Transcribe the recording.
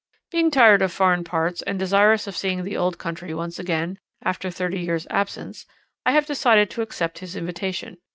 Being tired of foreign parts, and desirous of seeing the old country once again after thirty years' absence, I have decided to accept his invitation.